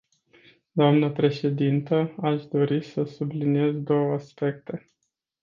Doamnă președintă, aș dori să subliniez două aspecte.